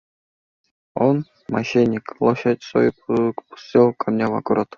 Он, мошенник, лошадь свою пустил ко мне в огород.